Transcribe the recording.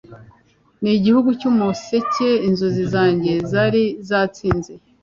n'ibihugu by'umuseke inzozi zanjye zari zatsinze